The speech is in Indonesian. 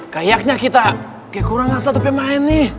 kayaknya kita kekurangan satu pemain nih